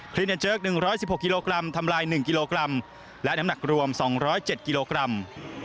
ลินันเจิก๑๑๖กิโลกรัมทำลาย๑กิโลกรัมและน้ำหนักรวม๒๐๗กิโลกรัม